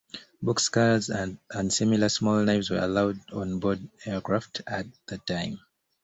Box cutters and similar small knives were allowed on board aircraft at the time.